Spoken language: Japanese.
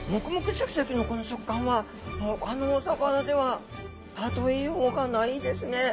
シャキシャキのこの食感はほかのお魚では例えようがないですね。